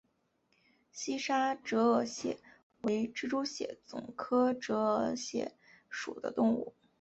西沙折额蟹为蜘蛛蟹总科折额蟹属的动物。